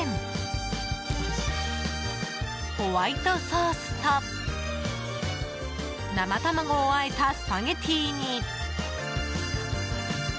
ホワイトソースと生卵を和えたスパゲティに。